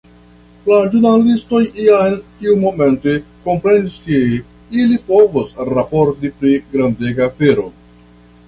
La ĵurnalistoj jam tiumomente komprenis ke ili povos raporti pri grandega afero.